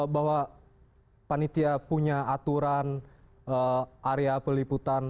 bahwa panitia punya aturan area peliputan